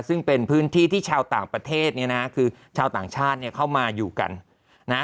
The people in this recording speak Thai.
ซึ่งเป็นพื้นที่ที่ชาวต่างประเทศเนี่ยนะคือชาวต่างชาติเนี่ยเข้ามาอยู่กันนะฮะ